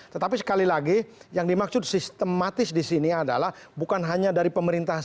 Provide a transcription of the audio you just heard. tetapi sekali lagi yang dimaksud sistematis di sini adalah bukan hanya dari pemerintah saja